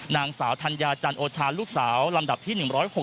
นางสาวธัญญาจันโอชาลูกสาวลำดับที่๑๐๖